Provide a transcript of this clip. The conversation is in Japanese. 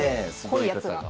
濃いやつが。ねえ。